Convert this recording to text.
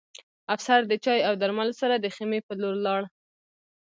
افسر د چای او درملو سره د خیمې په لور لاړ